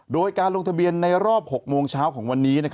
โดยการลงทะเบียนในรอบ๖โมงเช้าของวันนี้